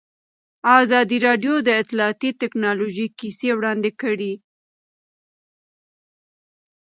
ازادي راډیو د اطلاعاتی تکنالوژي کیسې وړاندې کړي.